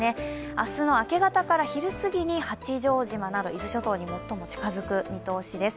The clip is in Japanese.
明日の明け方から昼すぎに八丈島など伊豆諸島に最も近づく見通しです。